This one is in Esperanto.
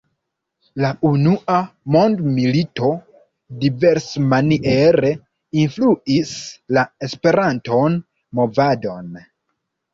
La unua mondmilito diversmaniere influis la Esperanton-movadon.